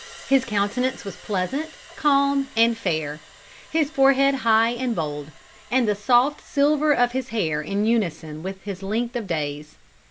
"His countenance was pleasant, calm, and fair, his forehead high and bold, and the soft silver of his hair in unison with his length of days.